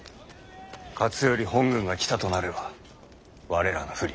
勝頼本軍が来たとなれば我らが不利。